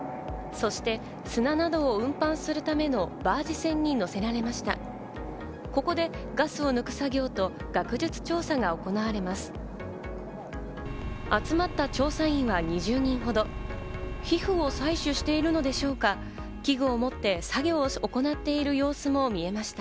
そして砂などを運搬するためのバージ船に載せられました。